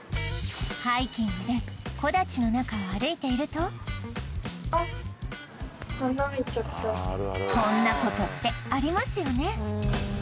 ハイキングで木立の中を歩いているとこんなことってありますよね